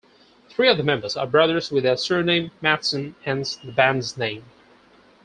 Three of the members are brothers with the surname Madsen, hence the band's name.